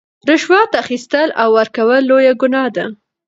رشوت اخیستل او ورکول لویه ګناه ده.